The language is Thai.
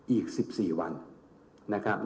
อีก๑๔วัน